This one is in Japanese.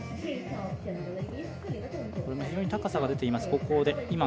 非常に高さが出ています。